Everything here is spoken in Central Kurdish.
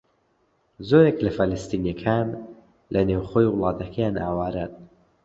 زۆرێک لە فەلەستینییەکان لە نێوخۆی وڵاتەکەیان ئاوارەن.